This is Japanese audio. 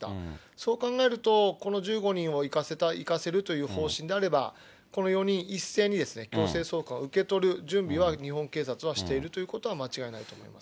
そう考えると、この１５人を行かせた、行かせるという方針であれば、この４人一斉に強制送還を受け取る準備は、日本警察はしているということは間違いないと思いますね。